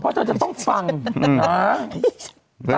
เพราะเธอจะต้องฟังนะฮะ